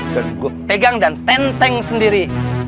pegang dan tenteng sendiri